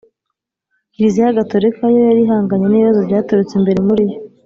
kiliziya gatolika yo yari ihanganye n’ibibazo byaturutse imbere muri yo,